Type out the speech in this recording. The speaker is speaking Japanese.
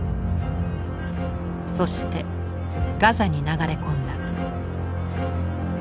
そしてガザに流れ込んだ。